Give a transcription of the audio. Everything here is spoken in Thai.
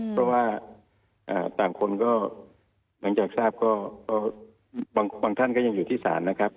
เพราะว่าต่างคนก็หลังจากทราบก็บางท่านก็ยังอยู่ที่ศาลนะครับ